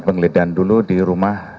pengelidikan dulu di rumah